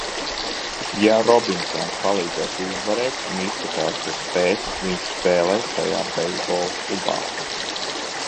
Ja Robinsons palīdzēs uzvarēt, un izskatās, ka spēs, viņš spēlēs šajā beisbola klubā!